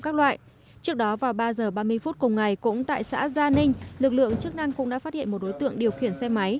trước đó vào ba h ba mươi phút cùng ngày cũng tại xã gia ninh lực lượng chức năng cũng đã phát hiện một đối tượng điều khiển xe máy